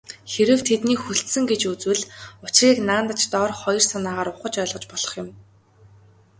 Хэрэв тэднийг хүлцсэн гэж үзвэл, учрыг наанадаж доорх хоёр санаагаар ухаж ойлгож болох юм.